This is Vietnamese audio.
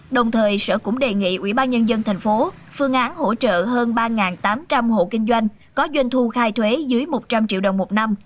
đồng thời sở cũng đề nghị ubnd tp phương án hỗ trợ hơn ba tám trăm linh hộ kinh doanh có doanh thu khai thuế dưới một trăm linh triệu đồng một năm